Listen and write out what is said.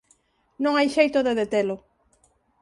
Non hai xeito de detelo.